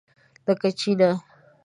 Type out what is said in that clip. لکه چینۀ!